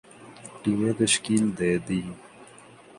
ٹیمیں تشکیل دے دیں